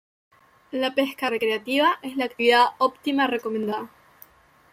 La pesca recreativa es la actividad óptima recomendada.